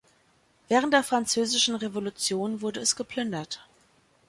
Während der Französischen Revolution wurde es geplündert.